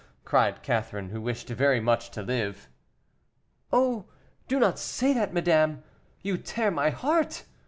cried Catherine, who wished very much to live. "Oh, do not say that, madame, you tear my heart!"